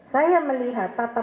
saya melihat tata